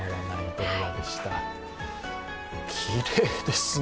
きれいですね。